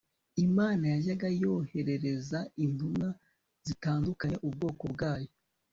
Imana yajyaga yoherereza intumwa zitandukanye ubwoko bwayo